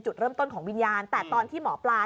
จุดเริ่มต้นของวิญญาณแต่ตอนที่หมอปลา